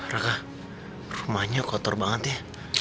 raka rumahnya kotor banget ya